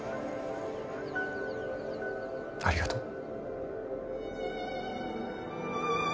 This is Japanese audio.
ありがとう。